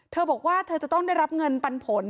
เธอบอกว่าเธอจะต้องได้รับเงินปันผล